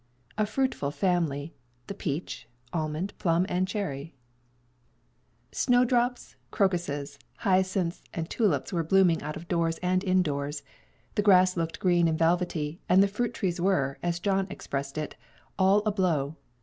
A FRUITFUL FAMILY: THE PEACH, ALMOND, PLUM AND CHERRY. Snowdrops, crocuses, hyacinths and tulips were blooming out of doors and in doors; the grass looked green and velvety, and the fruit trees were, as John expressed it, "all a blow."